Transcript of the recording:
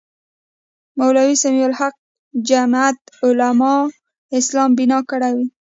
مولوي سمیع الحق جمیعت علمای اسلام بنا کړې وې.